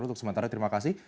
untuk sementara terima kasih